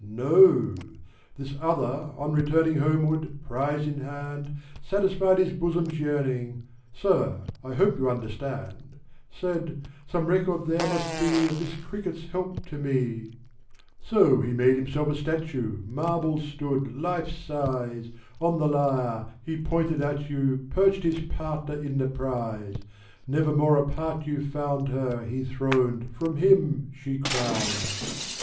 No ! This other, on returning Homeward, prize in hand, Satisfied his bosom's yearning : (Sir, I hope you understand !)— Said " Some record there must be Of this cricket's help to me !" So, he made himself a statue : Marble stood, life size ; A TALK. 73 On the lyre, he pointed at you, Perched his partner in the prize ; Never more apart you found Her, lie throned, from him, she crowned.